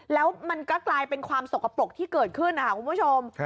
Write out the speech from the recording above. แล้วมันก็กลายเป็นความสกปรกที่เกิดขึ้นนะคะคุณผู้ชม